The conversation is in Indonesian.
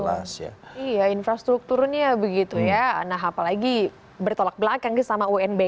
untuk di sd empat sendiri ada satu ratus tiga puluh lima siswa